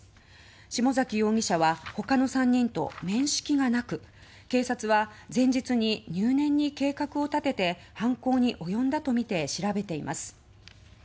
下崎容疑者は他の３人と面識がなく警察は前日に入念に計画を立てて犯行に及んだとみて調べています。